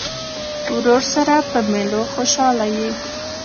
ورور سره په مېلو خوشحاله یې.